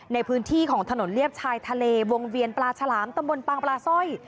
ในพื้นที่ของถนนเลียบชายทะเลวงเวียนปลาฉลามตำบลปางปลาสร้อย